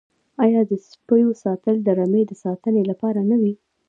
آیا د سپیو ساتل د رمې د ساتنې لپاره نه وي؟